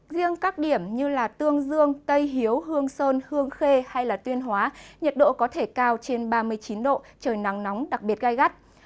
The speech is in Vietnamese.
riêng các điểm như tương dương tây hiếu hương sơn hương khê hay tuyên hóa nhiệt độ có thể cao trên ba mươi chín độ trời nắng nóng đặc biệt gai gắt